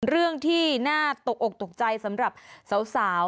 เรื่องที่น่าตกอกตกใจสำหรับสาว